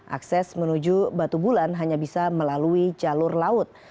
akses menuju batu bulan hanya bisa melalui jalur laut